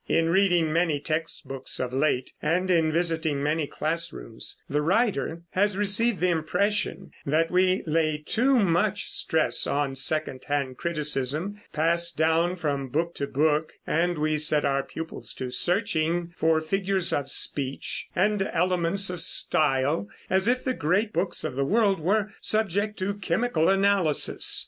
In reading many text books of late, and in visiting many class rooms, the writer has received the impression that we lay too much stress on second hand criticism, passed down from book to book; and we set our pupils to searching for figures of speech and elements of style, as if the great books of the world were subject to chemical analysis.